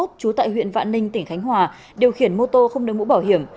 trú tại huyện vạn ninh tỉnh khánh hòa điều khiển mô tô không đưa mũ bảo hiểm